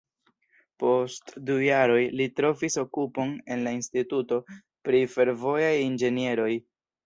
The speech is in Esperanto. Post du jaroj, li trovis okupon en la Instituto pri Fervojaj Inĝenieroj.